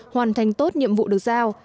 hoàn thành tốt nhiệm vụ được giao